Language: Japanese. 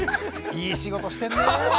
いい仕事してんね。